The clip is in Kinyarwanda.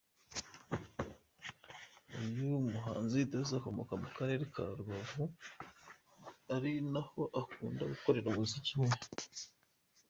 Uyu muhanzi Danluzz akomoka mu karere ka Rubavu ari naho akunda gukorera umuziki we.